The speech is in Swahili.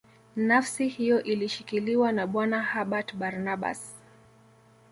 Nafasi hiyo ilishikiliwa na Bwana Herbert Barnabas